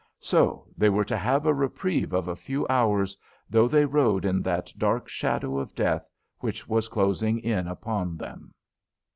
So they were to have a reprieve of a few hours, though they rode in that dark shadow of death which was closing in upon them.